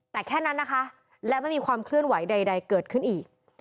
แต่แค่นั้นนะคะและไม่มีความเคลื่อนไหวใดเกิดขึ้นอีก